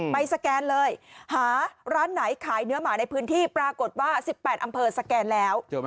สแกนเลยหาร้านไหนขายเนื้อหมาในพื้นที่ปรากฏว่า๑๘อำเภอสแกนแล้ว